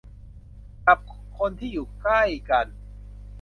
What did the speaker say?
กับคนที่อยู่ใกล้กัน